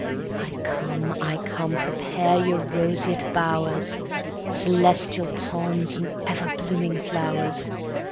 I come, I come! prepare your roseate bowers, Celestial palms, and ever blooming flowers.